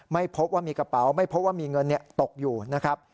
ไม่พบว่ามีกระเป๋าไม่พบว่ามีเงินตกอยู่นะครับ